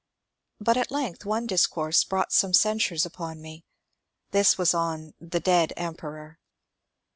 But at length one discourse brought some censures upon me. This was on The dead Emperor."